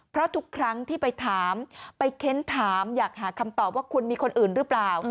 เพราะทุกครั้งที่ไปถามไปเค้นถามอยากหาคำตอบว่าคุณมีคนอื่นหรือเปล่า